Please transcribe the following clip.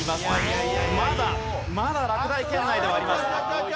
まだまだ落第圏内ではあります。